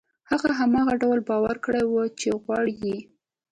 هغه هماغه ډول باوري کړئ چې غواړي يې.